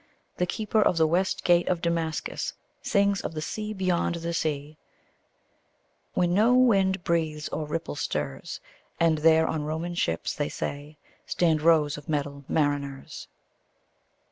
The keeper of the West Gate of Damascus sings of the sea beyond the sea: when no wind breathes or ripple stirs, And there on Roman ships, they say, stand rows of metal mariners.